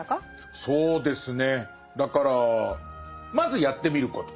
そうですねだからまずやってみること。